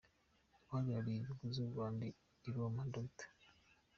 Uhagarariye inyungu z’u Rwanda i Roma Dr.